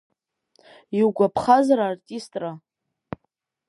Иугәаԥхазар артистра?